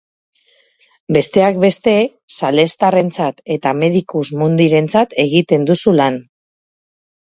Besteak beste salestarrentzat eta Medicus Mundirentzat egiten duzu lan.